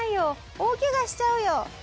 大ケガしちゃうよ」。